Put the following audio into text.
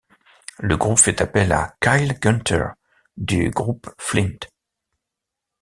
Le groupe fait appel à Kyle Gunther du groupe Flint.